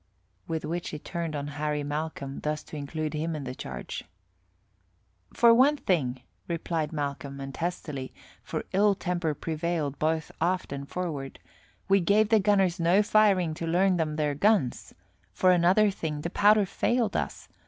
With which he turned on Harry Malcolm, thus to include him in the charge. "For one thing," replied Malcolm, and testily, for ill temper prevailed both aft and forward, "we gave the gunners no firing to learn them their guns. For another thing, the powder failed us.